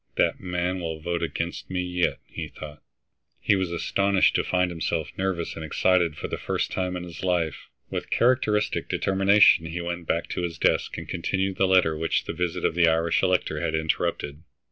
"That man will vote against me yet," he thought. He was astonished to find himself nervous and excited for the first time in his life. With characteristic determination he went back to his desk, and continued the letter which the visit of the Irish elector had interrupted.